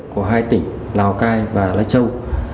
của hai tỉnh lào cai và lai châu